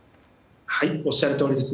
おっしゃるとおりです。